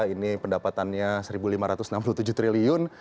ini pendapatannya rp satu lima ratus enam puluh tujuh triliun